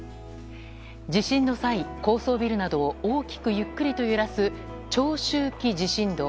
地震の際、高層ビルなどを大きくゆっくりと揺らす長周期地震動。